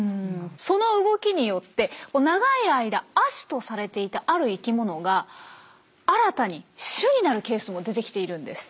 その動きによって長い間亜種とされていたある生きものが新たに種になるケースも出てきているんです。